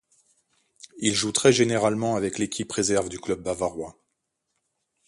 Il joue très généralement avec l'équipe réserve du club bavarois.